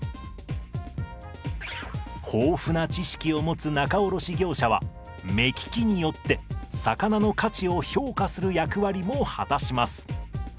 豊富な知識を持つ仲卸業者は目利きによって魚の価値を評価する役割も果たします。